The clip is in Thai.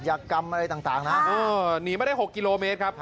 เจ็บละครับ